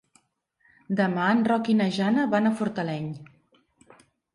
Demà en Roc i na Jana van a Fortaleny.